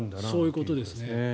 そういうことですね。